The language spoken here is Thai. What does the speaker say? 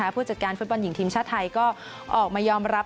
ผู้จัดการฟุตบอลหญิงทีมชาติไทยก็ออกมายอมรับ